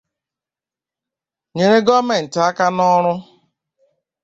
nyere gọọmenti aka n'ọrụ